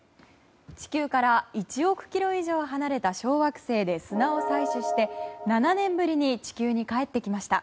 地球から１億ｋｍ以上離れた小惑星で砂を採取して、７年ぶりに地球に帰ってきました。